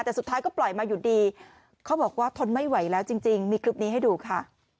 แต่สุดท้ายก็ปล่อยมาอยู่ดีเขาบอกว่าทนไม่ไหวแล้วจริงมีคลิปนี้ให้ดูค่ะ